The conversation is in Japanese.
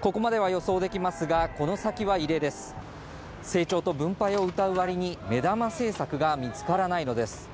ここまでは予想できますがこの先は異例です成長と分配をうたうわりに目玉政策が見つからないのです